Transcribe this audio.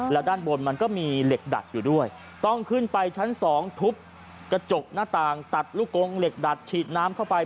แล้วด้านบนมันก็มีเหล็กดัดอยู่ด้วยต้องขึ้นไปชั้น๒ทุบกระจกหน้าต่างตัดลูกกงเหล็กดัดฉีดน้ำเข้าไป